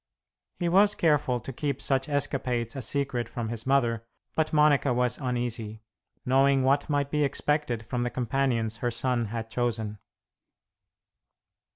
He was careful to keep such escapades a secret from his mother, but Monica was uneasy, knowing what might be expected from the companions her son had chosen.